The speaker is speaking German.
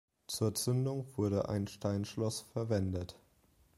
Zur Zündung wurde ein Steinschloss verwendet.